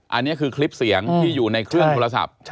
อันนี้คือคลิปเสียงที่อยู่ในเครื่องโทรศัพท์